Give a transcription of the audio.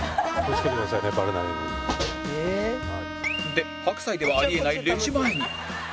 で白菜ではあり得ないレジ前に